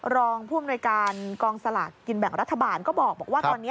รองผู้อำนวยการกองสลากกินแบ่งรัฐบาลก็บอกว่าตอนนี้